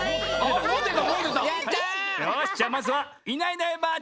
よしじゃあまずは「いないいないばあっ！」